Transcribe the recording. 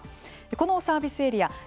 このサービスエリア